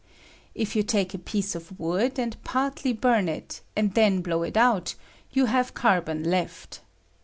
If you take a piece of wood, and partly burn it, and then blow it out, you have carbon left.